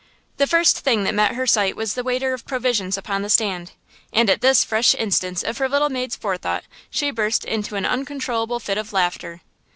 The first thing that met her sight was the waiter of provisions upon the stand. And at this fresh instance of her little maid's forethought, she burst into a uncontrollable fit of laughter.